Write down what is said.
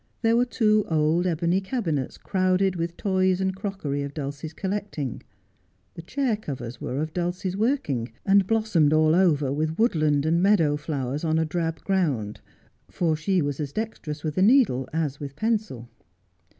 There were two old ebony cabinets crowded with toys and crockery of Dulcie's collecting. The chair covers were of Dulcie's working, and blossomed all over with woodland and meadow flowers on a drab ground, for she was as dexterous with needle as with pencil.